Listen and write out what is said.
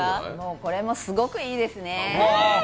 これもすごくいいですね。